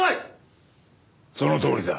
そのとおりだ。